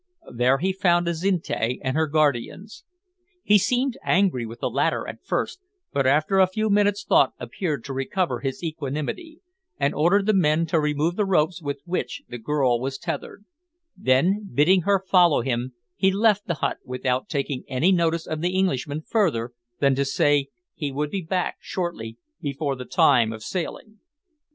There he found Azinte and her guardians. He seemed angry with the latter at first, but after a few minutes' thought appeared to recover his equanimity, and ordered the men to remove the ropes with which the girl was tethered; then bidding her follow him he left the hut without taking any notice of the Englishmen further than to say he would be back shortly before the time of sailing.